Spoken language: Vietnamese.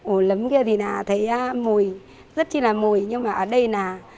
ổ lấm kia thì là thấy mùi rất chi là mùi nhưng mà ở đây là